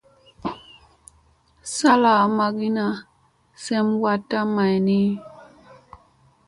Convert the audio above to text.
Zlaŋmagina seŋ watta may ni.